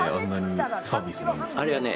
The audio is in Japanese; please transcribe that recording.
あれはね